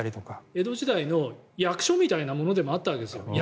江戸時代の役所みたいなものだったわけですよ。